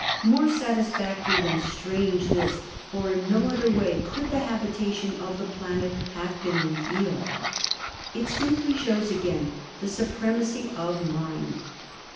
More satisfactory than strange this, for in no other way could the habitation of the planet have been revealed. It simply shows again the supremacy of mind.